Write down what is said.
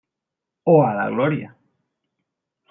O a la gloria.